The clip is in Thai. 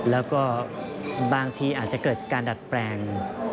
แล้วก็บางทีอาจจะเกิดการดัดแปลง